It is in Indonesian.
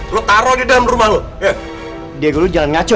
justru gue mau nanya lo mau ngapain sih